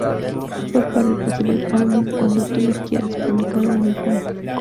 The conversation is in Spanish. Fue para el posterior álbum, "Cuando tú me quieras", publicado en el mismo año.